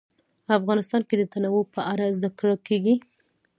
افغانستان کې د تنوع په اړه زده کړه کېږي.